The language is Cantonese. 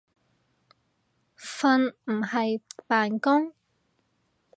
瞓唔係扮工